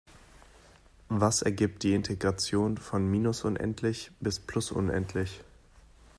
Was ergibt die Integration von minus unendlich bis plus unendlich?